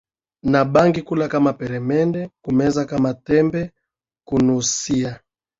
na bangi kula kama peremende kumeza kama tembe kunusia